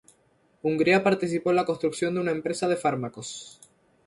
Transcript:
Hungría participó en la construcción de una empresa de fármacos.